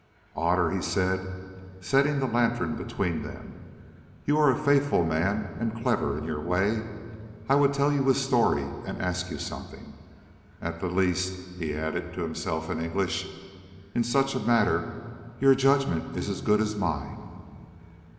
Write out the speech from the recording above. "Otter," he said, setting the lantern between them, "you are a faithful man and clever in your way. I would tell you a story and ask you something. At the least," he added to himself in English, "in such a matter your judgment is as good as mine."